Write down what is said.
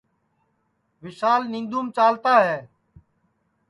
وشال نیںدَوںم چالتا ہے